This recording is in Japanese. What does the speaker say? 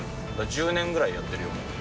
１０年ぐらいやってるよ。